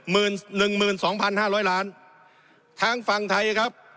หมื่นหนึ่งหมื่นสองพันห้าร้อยล้านทางฝั่งไทยครับ